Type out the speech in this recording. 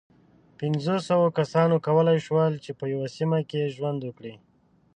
پينځو سوو کسانو کولی شول، چې په یوه سیمه کې ژوند وکړي.